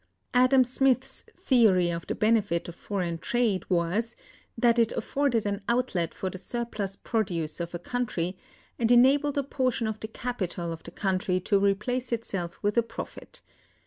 Adam Smith's theory of the benefit of foreign trade was, that it afforded an outlet for the surplus produce of a country, and enabled a portion of the capital of the country to replace itself with a profit.